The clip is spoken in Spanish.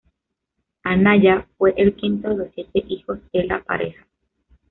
Anaya fue el quinto de los siete hijos de la pareja.